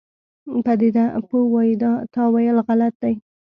پدیده پوه وایي دا تاویل غلط دی.